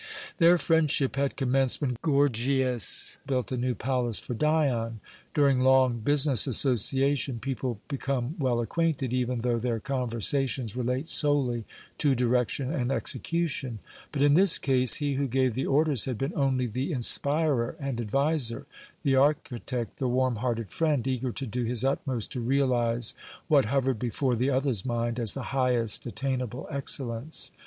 Their friendship had commenced when Gorgias built a new palace for Dion. During long business association people become well acquainted, even though their conversations relate solely to direction and execution. But in this case, he who gave the orders had been only the inspirer and adviser, the architect the warm hearted friend, eager to do his utmost to realize what hovered before the other's mind as the highest attainable excellence.